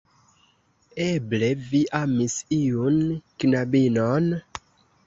Eble vi amis iun knabinon?